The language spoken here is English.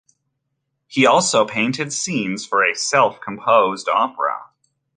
He also painted scenes for a self-composed opera.